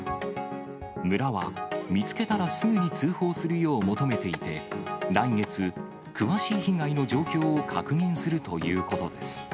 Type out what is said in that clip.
村は、見つけたらすぐに通報するよう求めていて、来月、詳しい被害の状況を確認するということです。